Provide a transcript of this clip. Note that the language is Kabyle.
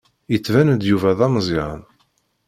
Yettban-d Yuba d ameẓẓyan.